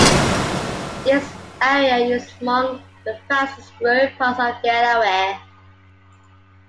This area is among the fastest growing parts of Delaware.